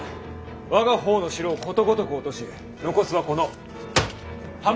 我が方の城をことごとく落とし残すはこの浜松のみ。